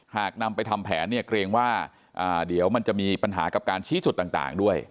หากนำไปทำแผนเนี่ยเกรงว่าเดี๋ยวมันจะมีปัญหากับการชี้จุดต่างด้วย